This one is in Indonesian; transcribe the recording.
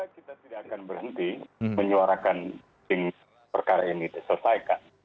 kita tidak akan berhenti menyuarakan perkara ini diselesaikan